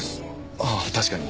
ああ確かに。